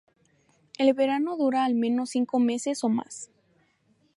El verano dura al menos cinco meses o más.